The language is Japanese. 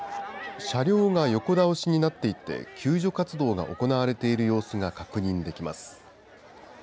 車両が横倒しになっていて、救助活動が行われている様子が確認できます。